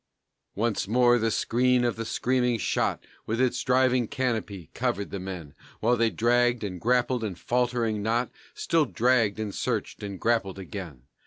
Once more the screen of the screaming shot With its driving canopy covered the men, While they dragged, and grappled, and, faltering not, Still dragged, and searched, and grappled again.